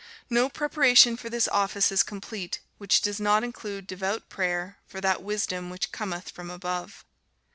No preparation for this office is complete which does not include devout prayer for that wisdom which cometh from above.